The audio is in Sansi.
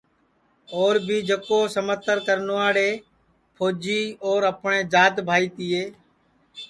اور بھی جکو سمرتن کرنواڑے پھوجی اور اپٹؔے جات بھائی تیے